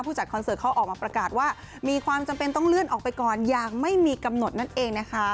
จัดคอนเสิร์ตเขาออกมาประกาศว่ามีความจำเป็นต้องเลื่อนออกไปก่อนอย่างไม่มีกำหนดนั่นเองนะคะ